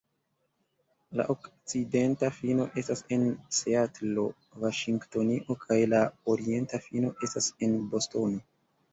La okcidenta fino estas en Seatlo, Vaŝingtonio, kaj la orienta fino estas en Bostono.